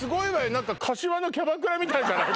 何か柏のキャバクラみたいじゃない？